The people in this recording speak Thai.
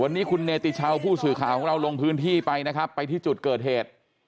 วันนี้คุณเนติชาวผู้สื่อข่าวของเราลงพื้นที่ไปนะครับไปที่จุดเกิดเหตุ